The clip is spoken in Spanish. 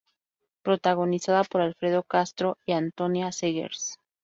Protagonizada por Alfredo Castro y Antonia Zegers.